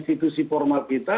aku sudah minta